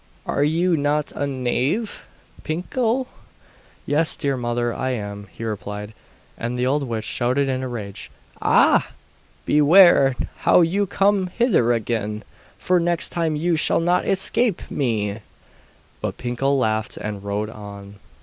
'Are you not a knave, Pinkel?' 'Yes, dear mother, I am,' he replied. And the old witch shouted in a rage: 'Ah! beware how you come hither again, for next time you shall not escape me!' But Pinkel laughed and rowed on.